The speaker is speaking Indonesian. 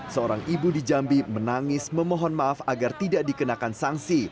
seorang ibu di jambi menangis memohon maaf agar tidak dikenakan sanksi